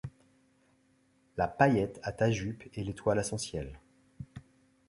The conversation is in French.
La paillette à ta jupe et l’étoile à son ciel.